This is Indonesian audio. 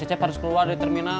kan cecep harus keluar dari terminal